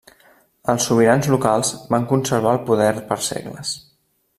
Els sobirans locals van conservar el poder per segles.